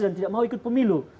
dan tidak mau ikut pemilu